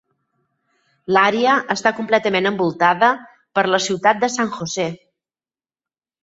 L'àrea està completament envoltada per la ciutat de San José.